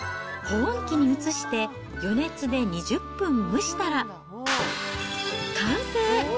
保温器に移して、余熱で２０分蒸したら、完成。